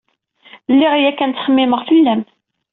Lliɣ yakan ttxemmimeɣ fell-am.